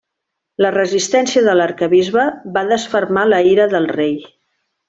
La resistència de l'arquebisbe va desfermar la ira del rei.